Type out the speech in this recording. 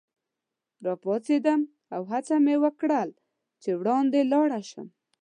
راپاڅېدم او هڅه مې وکړل چي وړاندي ولاړ شم.